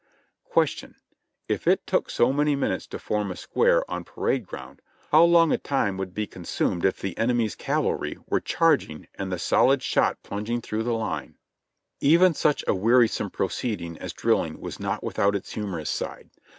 Question. If it took so many minutes to form a square on parade ground, how long a time would be consumed if the ene my's cavalry were charging and the solid shot plunging through the line? Even such a wearisome proceeding as drilling was not without its humorous side.